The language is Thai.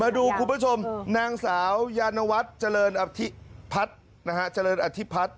ดูคุณผู้ชมนางสาวยานวัฒน์เจริญอธิพัฒน์นะฮะเจริญอธิพัฒน์